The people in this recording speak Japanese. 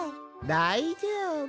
だいじょうぶ。